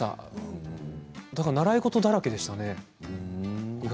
習い事だらけでした。